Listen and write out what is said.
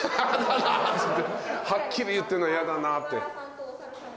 はっきり言ってんの「やだな」って。